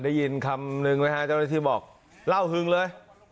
ได้ยินคำนึงไหมฮะเจ้าหน้าที่บอกเล่าฮึงเลย